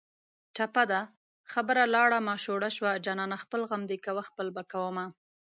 ټپه ده: خبره لاړه ماشوړه شوه جانانه خپل غم دې کوه خپل به کومه